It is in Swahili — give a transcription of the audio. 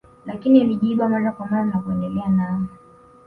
lakini alijiiba mara kwa mara na kuendelea nao